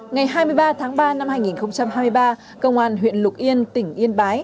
ngày hai mươi ba tháng ba năm hai nghìn hai mươi ba công an huyện lục yên tỉnh yên bái